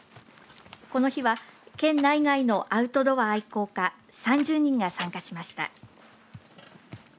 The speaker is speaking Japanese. この日は、県内外のアウトドア愛好家３０人が参加しました。